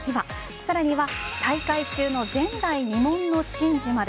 さらには大会中の前代未聞の珍事まで。